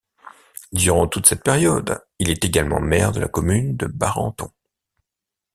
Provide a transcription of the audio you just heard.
Durant toute cette période il est également maire de la commune de Barenton.